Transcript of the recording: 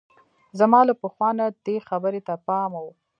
زما له پخوا نه دې خبرې ته پام وو.